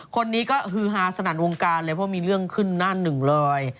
คนนี้ก็ฮือฮาสนั่นวงการเลยเพราะมีเรื่องขึ้นหน้าหนึ่งเลย